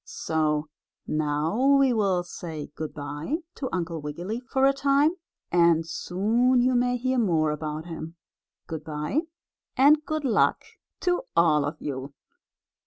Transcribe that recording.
So now we will say good by to Uncle Wiggily for a time, and soon you may hear more about him. Good by and good luck to all of you.